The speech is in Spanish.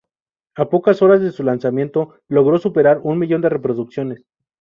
A pocas horas de su lanzamiento logró superar un millón de reproducciones.